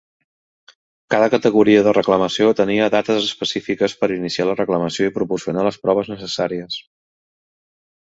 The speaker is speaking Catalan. Cada categoria de reclamació tenia dates específiques per iniciar la reclamació i proporcionar les proves necessàries.